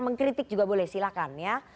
mengkritik juga boleh silakan ya